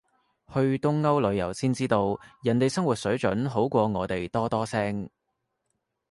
去東歐旅行先知道，人哋生活水準好過我哋多多聲